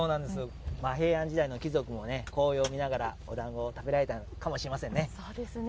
平安時代の貴族も紅葉を見ながらおだんごを食べられたんかもしれませんね。